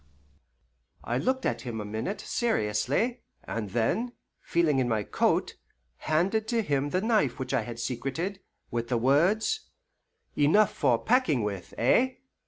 I looked at him a minute seriously, and then, feeling in my coat, handed to him the knife which I had secreted, with the words, "Enough for pecking with, eh?"